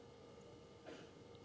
dan saya juga berharap